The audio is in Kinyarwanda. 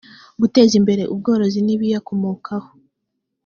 guteza imbere ubworozi n ibiyakomokaho